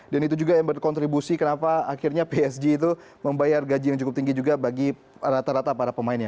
dan itu juga yang berkontribusi kenapa akhirnya psg itu membayar gaji yang cukup tinggi juga bagi rata rata para pemainnya